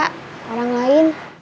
dia orang lain